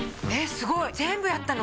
すごい全部やったの？